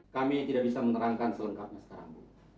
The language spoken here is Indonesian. kami tidak bisa menerangkan selengkapnya sekarang